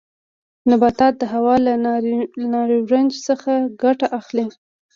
نباتات د هوا له نایتروجن څخه ګټه اخلي.